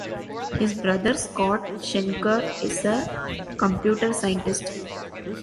His brother Scott Shenker is a computer scientist.